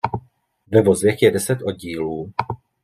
Ve vozech je deset oddílů.